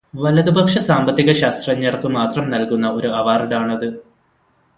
വലതുപക്ഷ സാമ്പത്തികശാസ്ത്രജ്ഞർക്കുമാത്രം നൽകുന്ന ഒരു അവാർഡാണത്